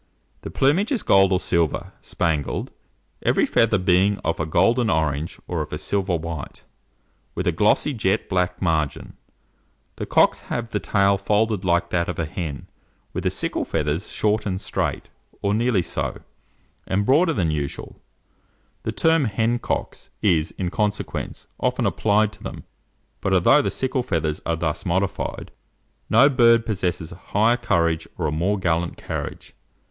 The plumage is gold or silver, spangled, every feather being of a golden orange, or of a silver white, with a glossy jet black margin; the cocks have the tail folded like that of a hen, with the sickle feathers shortened straight, or nearly so, and broader than usual. The term hen cocks is, in consequence, often applied to them; but although the sickle feathers are thus modified, no bird possesses higher courage, or a more gallant carriage.